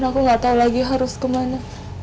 dan aku gak tau lagi harus kemana